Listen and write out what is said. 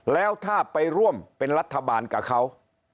แล้วถ้าไปร่วมเป็นรัฐบาลกับเขา